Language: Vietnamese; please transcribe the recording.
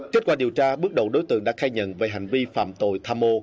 kết quả điều tra bước đầu đối tượng đã khai nhận về hành vi phạm tội tham mô